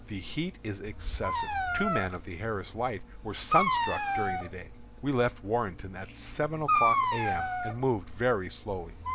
The heat is excessive. Two men of the Harris Light were sunstruck during the day. We left Warrenton at seven o'clock A. M., and moved very slowly.